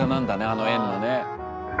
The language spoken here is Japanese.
あの円のね。